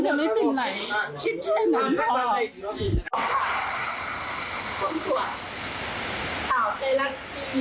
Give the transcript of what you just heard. ที่ดำเนินแน่นี่ถึงที่สุด